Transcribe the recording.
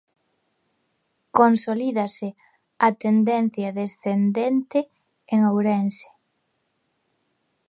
Consolídase a tendencia descendete en Ourense.